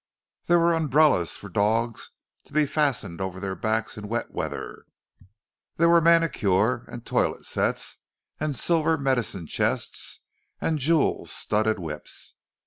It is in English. There were umbrellas for dogs, to be fastened over their backs in wet weather; there were manicure and toilet sets, and silver medicine chests, and jewel studded whips.